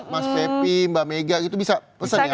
mas pepi mbak mega gitu bisa pesen ya